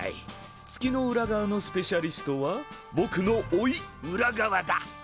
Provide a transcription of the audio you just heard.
月の裏側のスペシャリストはぼくのおいウラガワだ！